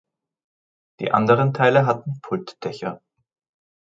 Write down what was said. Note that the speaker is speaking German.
Die anderen Teile hatten Pultdächer.